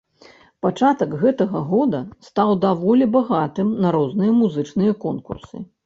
Пачатак гэтага года стаў даволі багатым на розныя музычныя конкурсы.